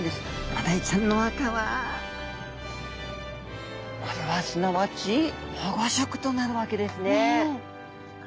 マダイちゃんの赤はこれはすなわち保護色となるわけですね。